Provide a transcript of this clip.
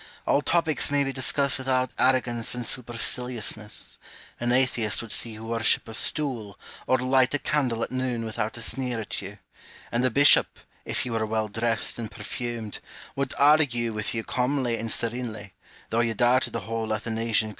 All topics may be discussed without arrogance and supercilious ness : an atheist would see you worship a stool or light a candle at noon without a sneer at you ; and a bishop, if you were well dressed and perfumed, would argue with you calmly and serenely, though you doubted the whole Athan asian creed.